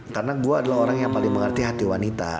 karena gue adalah orang yang paling mengerti hati wanita